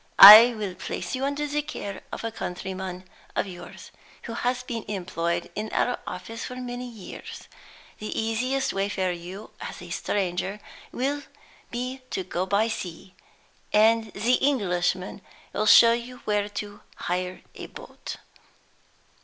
I will place you under the care of a countryman of yours, who has been employed in our office for many years. The easiest way for you, as a stranger, will be to go by sea; and the Englishman will show you where to hire a boat."